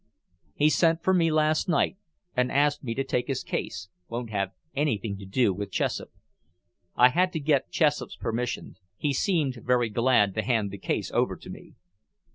"He sent for me last night and asked me to take his case, won't have anything to do with Chessup. I had to get Chessup's permission. He seemed very glad to hand the case over to me."